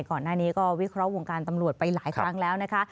ก่อนหน้านี้ก็วิเคราะห์วงการตำรวจไปหลายครั้งแล้วนะคะ